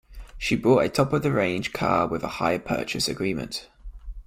She bought a top-of-the-range car with a hire purchase agreement